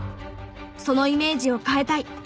そのイメージを変えたい！